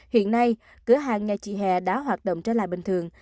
hiện nay cửa hàng nhà chị he đã hoạt động trở lại bình thường